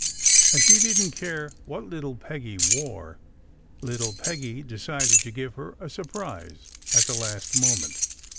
As she didn t care what little Peggy wore, little Peggy decided to give her a surprise at the last moment.